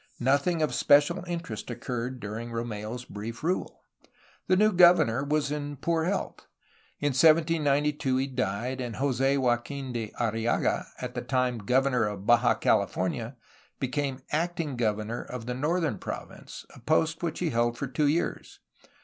Nothing of special interest occurred during Romeu's brief rule. The new governor was in poor health. In 1792 he died and Jos6 Joaquin de Arrillaga, at the time governor of Baja Califor nia, became acting governor of the northern province, a post which he held for two years.